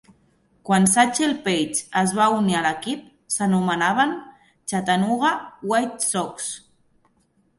Quan Satchel Paige es va unir a l'equip s'anomenaven Chattanooga White Sox.